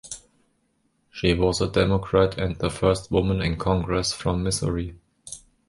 She was a Democrat and the first woman in Congress from Missouri.